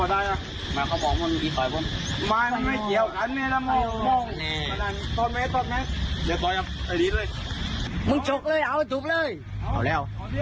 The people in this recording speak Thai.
ทำไมมันเกินกว่า๑ต่อ๑ล่ะ